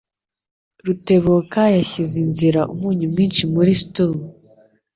Rutebuka yashyize inzira umunyu mwinshi muri stew.